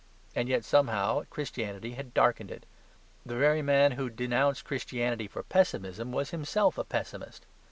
And yet, somehow, Christianity had darkened it. The very man who denounced Christianity for pessimism was himself a pessimist.